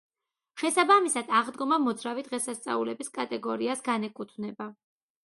შესაბამისად, აღდგომა მოძრავი დღესასწაულების კატეგორიას განეკუთვნება.